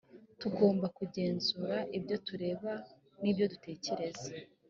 tugomba kugenzura ibyo tureba n’ ibyo dutekereza